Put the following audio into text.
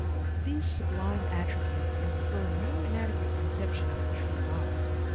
These sublime attributes infer no inadequate conception of the true God."